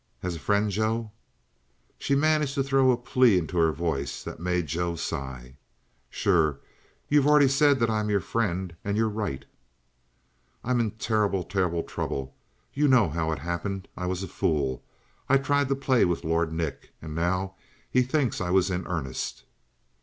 "As a friend, Joe?" She managed to throw a plea into her voice that made Joe sigh. "Sure. You've already said that I'm your friend, and you're right." "I'm in terrible, terrible trouble! You know how it happened. I was a fool. I tried to play with Lord Nick. And now he thinks I was in earnest."